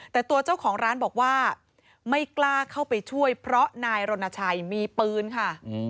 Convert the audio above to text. แต่ตัวเจ้าของร้านบอกว่าไม่กล้าเข้าไปช่วยเพราะนายรณชัยมีปืนค่ะ